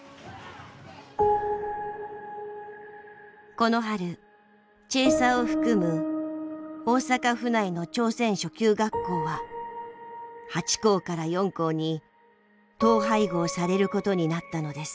この春チェーサーを含む大阪府内の朝鮮初級学校は８校から４校に統廃合されることになったのです。